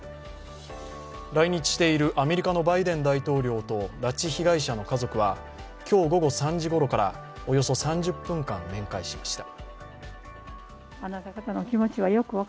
来日しているアメリカのバイデン大統領と拉致被害者の家族は今日午後３時ごろから、およそ３０分間面会しました。